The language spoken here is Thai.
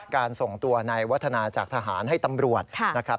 ส่งตัวในวัฒนาจากทหารให้ตำรวจนะครับ